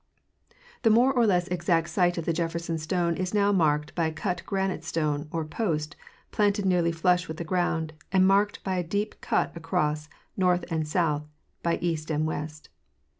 The more or less exact site of the Jefferson stone is now marked by a cut granite stone (or post) planted nearly flush with the ground and marked by a deep cut across, north and south by east and west.